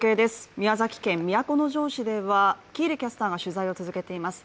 宮崎県都城市では喜入キャスターが取材を続けています。